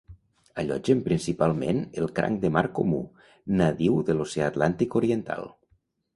Allotgen principalment el "cranc de mar comú", nadiu de l'oceà Atlàntic Oriental.